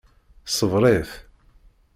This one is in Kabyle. Ṣebbeṛ-it.